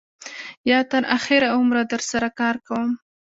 یا تر آخره عمره در سره کار کوم.